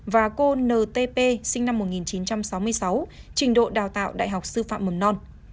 và cô n t p sinh năm một nghìn chín trăm sáu mươi sáu trình độ đào tạo đại học sư phạm mầm non